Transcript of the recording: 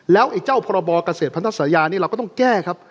แล้วไอ้เจ้าพรบเกษตรพันธญานี่เราก็ต้องแก้ครับ